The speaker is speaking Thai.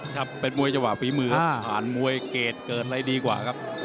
ครับเป็นมวยจังหวะฝีมือครับผ่านมวยเกรดเกิดอะไรดีกว่าครับ